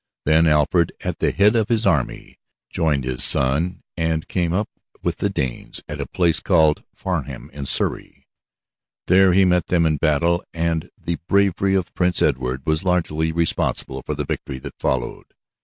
Then Alfred at the head of his army joined his son and came up with the Danes at a place called Farnham in Surrey. There he met them in battle and the bravery of Prince Edward was largely responsible for the victory that followed.